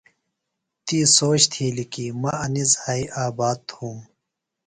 تی سوچ تِھیلیۡ کی مہ انیۡ زھائی آباد تُھوم۔